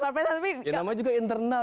namanya juga internal